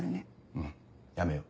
うんやめよう。